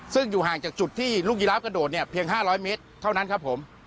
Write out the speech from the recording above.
ซึ่งอยู่ห่างจากจุดที่ลูกยีราฟกระโดดเนี่ยเพียง๕๐๐เมตรเท่านั้นครับผม